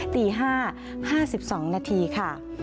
ตี๕๕๒นาทีค่ะ